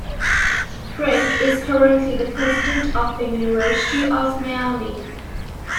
Frenk is currently the president of the University of Miami.